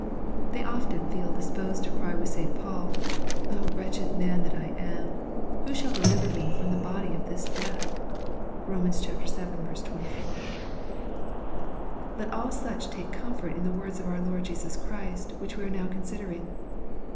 They often feel disposed to cry with St. Paul, "0 wretched man that I am, who shall deliver m^ from th^ body of this death ?" (Kom. vii. 24.) 260 EXPOSITORY THOUGHTS. Let all such take comfort in the words of our Lord Jesus Christ which we are now considering.